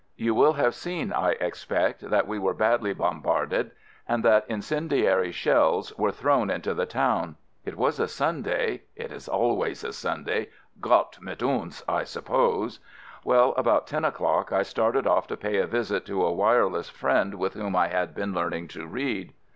You will have seen, I expect, that we were badly bom barded and that incendiary shells were thrown into the town. It was a Sunday — it is always a Sunday. "Gott mit uns" I suppose! Well, about ten o'clock I started off to pay a visit to a "wireless" friend with whom I had been learning to read.